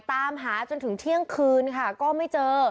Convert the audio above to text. ตามหาจนถึงเที่ยงคืนค่ะก็ไม่เจอ